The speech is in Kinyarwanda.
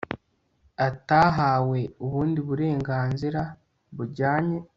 atahawe ubundi burenganzira bujyanye